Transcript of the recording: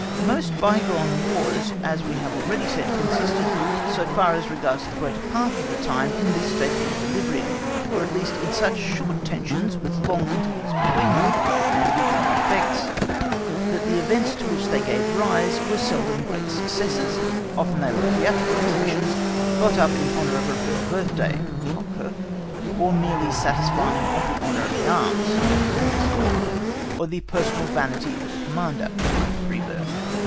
Most bygone Wars, as we have already said, consisted, so far as regards the greater part of the time, in this state of equilibrium, or at least in such short tensions with long intervals between them, and weak in their effects, that the events to which they gave rise were seldom great successes, often they were theatrical exhibitions, got up in honour of a royal birthday (Hochkirch), often a mere satisfying of the honour of the arms (Kunersdorf), or the personal vanity of the commander (Freiberg).